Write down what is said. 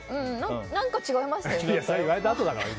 何か違ってましたよね。